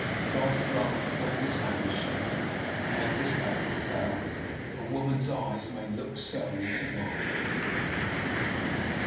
God grant that when this hand is shaking, and when this back is bowed, a woman's eyes may look so into mine.